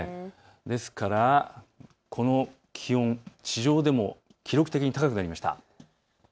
ですから、この気温、地上でも記録的に高くなりました。